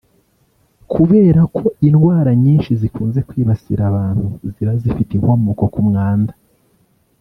Kubera ko indwara nyinshi zikunze kwibasira abantu ziba zifite inkomoko ku mwanda